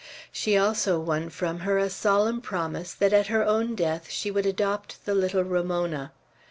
She also won from her a solemn promise that at her own death she would adopt the little Ramona.